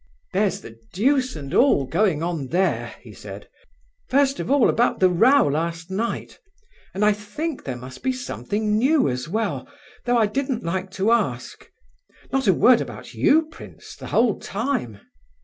"There's the deuce and all going on there!" he said. "First of all about the row last night, and I think there must be something new as well, though I didn't like to ask. Not a word about you, prince, the whole time!